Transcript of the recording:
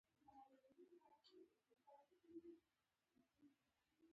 داسې ښکاري چې سید لیکلي دي.